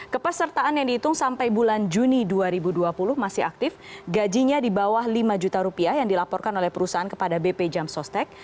kepesertaan yang dihitung sampai bulan juni dua ribu dua puluh masih aktif gajinya di bawah lima juta rupiah yang dilaporkan oleh perusahaan kepada bp jam sostek